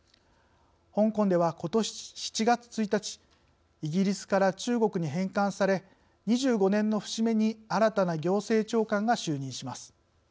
香港では、ことし７月１日イギリスから中国に返還され２５年の節目に新たな行政長官が就任します。